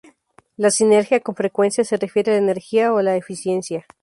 La sinergia con frecuencia se refiere a la energía o a la eficiencia.